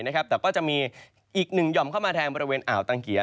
แต่ก็จะมีอีกหนึ่งหย่อมเข้ามาแทงบริเวณอ่าวตังเกียร์